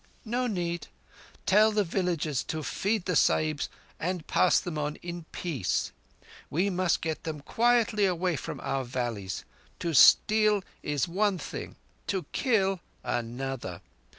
"No need. Tell the villages to feed the Sahibs and pass them on, in peace. We must get them quietly away from our valleys. To steal is one thing—to kill another.